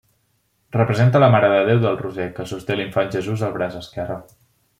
Representa la Mare de Déu del Roser que sosté l'Infant Jesús al braç esquerre.